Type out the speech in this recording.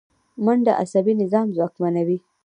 منډه عصبي نظام ځواکمنوي